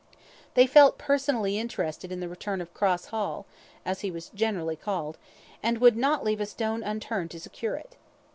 They felt personally interested in the return of Cross Hall (as he was generally called), and would not leave a stone unturned to secure it.